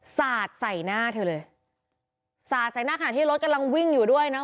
สาดใส่หน้าเธอเลยสาดใส่หน้าขณะที่รถกำลังวิ่งอยู่ด้วยนะ